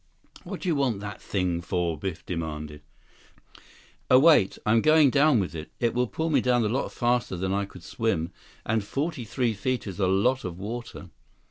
"What do you want that thing for?" Biff demanded. 140 "A weight. I'm going down with it. It will pull me down a lot faster than I could swim. And forty three feet is a lot of water."